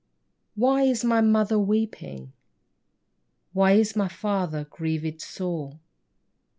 Why is my lady mother weeping ? Why is my father grieved sore